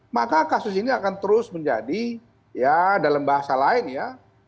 maka kasus ini akan terus menjadi ya dalam bahasa lain ya